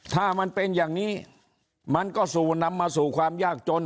ถ้ามันเป็นอย่างนี้มันก็สู่นำมาสู่ความยากจน